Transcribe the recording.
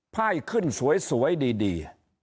ไพ่ขึ้นสวยดี